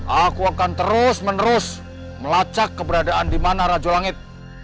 aku akan terus menerus melacak keberadaan di mana rajo langit